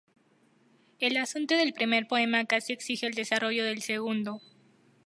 El asunto del primer poema casi exige el desarrollo del segundo.